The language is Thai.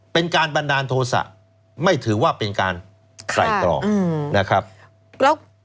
เป็นการบันดาลโทษะไม่ถือว่าเป็นการไตรตรองนะครับ